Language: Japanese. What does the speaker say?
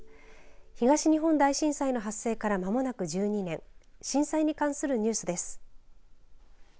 東日本大震災の発生からまもなく１２年震災に関するニュースです。